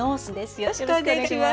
よろしくお願いします。